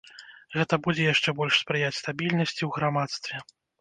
Гэта будзе яшчэ больш спрыяць стабільнасці ў грамадстве.